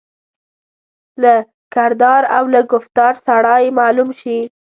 له کردار او له ګفتار سړای معلوم شي.